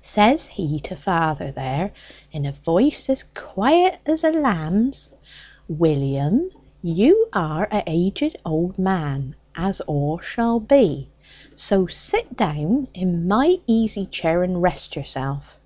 Says he to father there, in a voice as quiet as a lamb's, 'William, you are a' old aged man, as all shall be, so sit down in my easy chair, and rest yourself.'